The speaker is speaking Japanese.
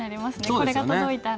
これが届いたら。